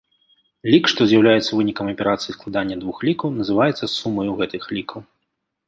Лік, што з'яўляецца вынікам аперацыі складання двух лікаў, называецца сумаю гэтых лікаў.